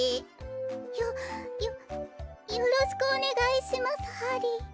よよよろしくおねがいしますハリ。